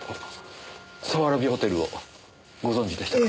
早蕨ホテルをご存じでしたか。